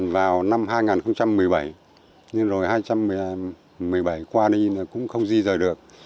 vào năm hai nghìn một mươi bảy nhưng rồi hai nghìn một mươi bảy qua đi cũng không di rời được